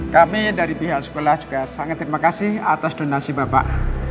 kami dari pihak sekolah juga sangat terima kasih atas donasi bapak